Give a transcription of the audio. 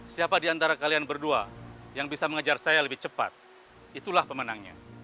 siapa di antara kalian berdua yang bisa mengejar saya lebih cepat itulah pemenangnya